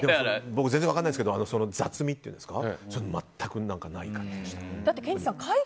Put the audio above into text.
僕全然分からないですけど雑味っていうんですかそういうのが全くない感じでした。